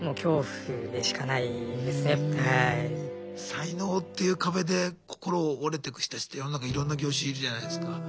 才能っていう壁で心折れていく人たちって世の中いろんな業種いるじゃないですか。